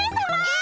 え！